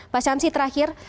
pak samsi terakhir